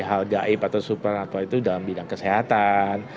hal gaib atau supernator itu dalam bidang kesehatan